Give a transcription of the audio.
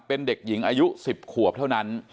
เป็นเด็กหญิงอายุ๑๐ขวบเท่านั้น